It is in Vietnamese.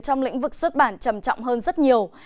trong lĩnh vực xuất bản trầm trọng hơn rất nhiều